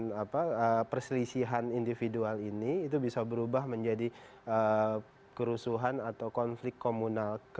dan perselisihan individual ini itu bisa berubah menjadi kerusuhan atau konflik komunal